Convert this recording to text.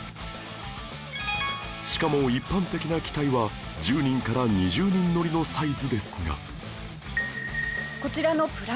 しかも一般的な機体は１０人から２０人乗りのサイズですが